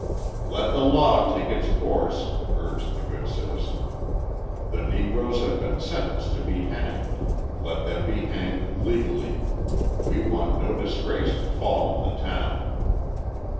"Let the law take its course," urged the good citizen. "The Negroes have been sentenced to be hanged, let them be hanged legally; we want no disgrace to fall on the town."